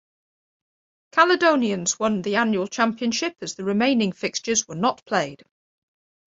Caledonians won the annual championship as the remaining fixtures were not played.